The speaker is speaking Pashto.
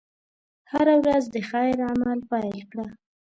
هره ورځ د خیر عمل پيل کړه.